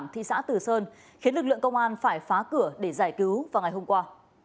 thị xã từ sơn khiến lực lượng công an phải phá cửa để giải cứu vào ngày hôm qua